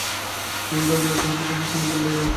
নিমন্ত্রণ করিয়া তিনি তাঁহাদিগকে হস্তিনাপুরে লইয়া আসিলেন।